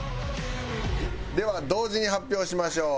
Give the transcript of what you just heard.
では同時に発表しましょう。